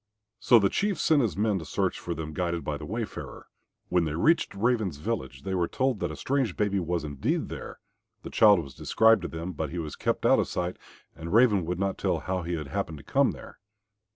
So the Chief sent his men to search for them guided by the wayfarer. When they reached Raven's village they were told that a strange baby was indeed there; the child was described to them, but he was kept out of sight, and Raven would not tell how he had happened to come there.